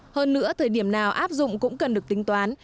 hơn nữa thời điểm nào áp dụng cũng cần được tính toán